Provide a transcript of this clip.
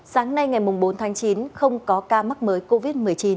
sáng nay ngày bốn tháng chín không có ca mắc mới covid một mươi chín